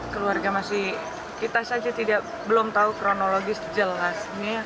keluarga masih kita saja belum tahu kronologi jelasnya